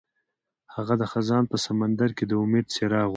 هغه د خزان په سمندر کې د امید څراغ ولید.